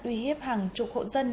uy hiếp hàng chục hộ dân